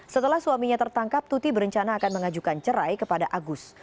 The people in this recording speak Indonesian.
setelah suaminya tertangkap tuti berencana akan mengajukan cerai kepada agus